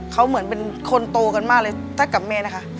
เขาเหมือนเป็นคนโตกันมากเลยถ้ากับแม่นะคะ